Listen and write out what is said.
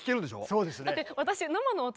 そうですね。